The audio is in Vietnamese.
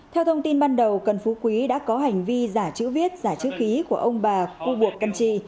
theo thông tin ban đầu cần phú quý đã có hành vi giả chữ viết giả chữ khí của ông bà cưu buộc căn trì